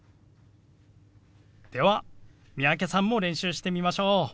では三宅さんも練習してみましょう。